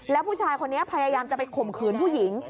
แล้วผู้ชายคนนี้พยายามจะไปข่มขืนผู้หญิง